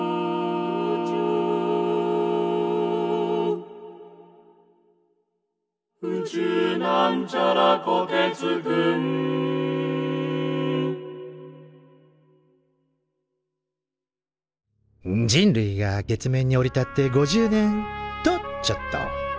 「宇宙」人類が月面に降り立って５０年！とちょっと。